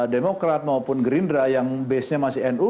demokrat maupun gerindra yang basenya masih nu